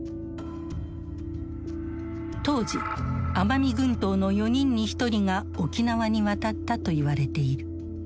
当時奄美群島の４人に１人が沖縄に渡ったと言われている。